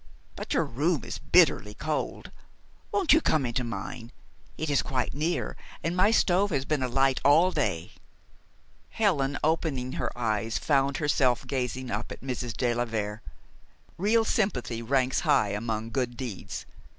But your room is bitterly cold. Won't you come into mine? It is quite near, and my stove has been alight all day." Helen, opening her eyes, found herself gazing up at Mrs. de la Vere. Real sympathy ranks high among good deeds.